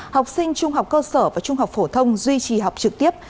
học sinh trung học cơ sở và trung học phổ thông duy trì học trực tiếp